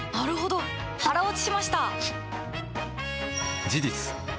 腹落ちしました！